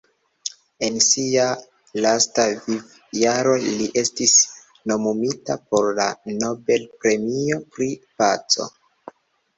En sia lasta vivjaro li estis nomumita por la Nobel-premio pri paco.